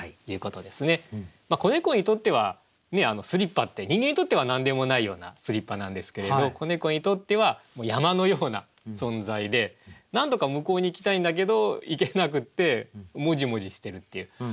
子猫にとってはスリッパって人間にとっては何でもないようなスリッパなんですけれど子猫にとっては山のような存在でなんとか向こうに行きたいんだけど行けなくってもじもじしてるっていう。